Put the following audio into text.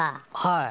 はい。